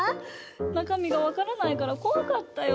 なかみがわからないから怖かったよ。